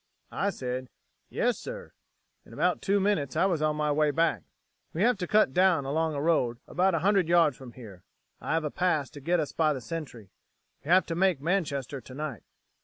I said, 'Yes, sir.' In about two minutes I was on my way back. We have to cut down along a road about a hundred yards from here. I have a pass to get us by the Sentry. We have to make Manchester tonight."